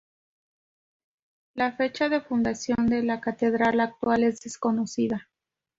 La fecha de fundación de la catedral actual es desconocida.